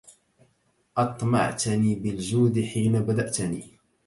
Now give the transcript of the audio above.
أطمعتني بالجود حين بدأتني